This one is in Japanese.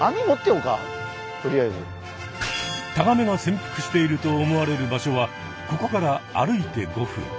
タガメが潜伏していると思われる場所はここから歩いて５分。